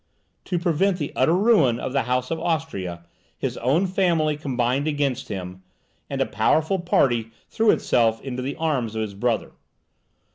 To prevent the utter ruin of the House of Austria, his own family combined against him; and a powerful party threw itself into the arms of his brother.